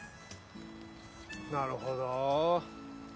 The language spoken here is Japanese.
なるほど。